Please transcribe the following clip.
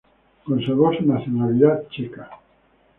Conservó su nacionalidad checa.